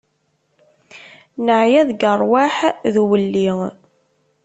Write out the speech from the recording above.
Neɛya deg ṛṛwaḥ d uwelli.